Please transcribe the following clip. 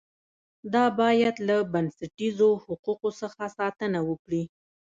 دا باید له بنسټیزو حقوقو څخه ساتنه وکړي.